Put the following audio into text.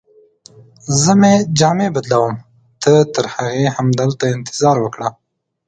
زه مې جامې بدلوم، ته ترهغې همدلته انتظار وکړه.